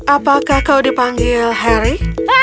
apakah kau dipanggil harry